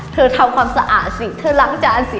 ทำความสะอาดสิเธอล้างจานสิ